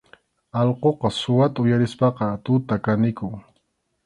Allquqa suwata uyarispaqa tuta kanikun.